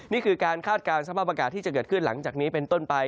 นี่คือการคาดการณ์สภาพอากาศที่จะเกิดขึ้นหลังจากนี้เป็นต้นไป